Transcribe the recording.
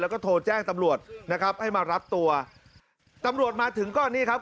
แล้วก็โทรแจ้งตำรวจนะครับให้มารับตัวตำรวจมาถึงก็นี่ครับ